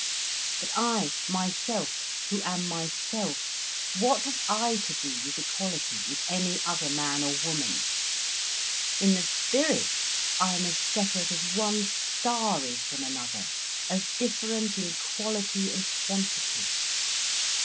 "But I, myself, who am myself, what have I to do with equality with any other man or woman? In the spirit, I am as separate as one star is from another, as different in quality and quantity.